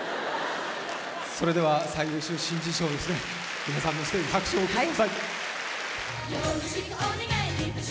それでは最優秀新人賞ですね、皆さんのステージ、拍手を送ってください。